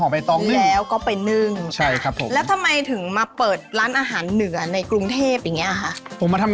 แล้วแม่ก็เป็นคนทื้นเมืองที่ทำอาหารแบบดั้งเดิมด้วย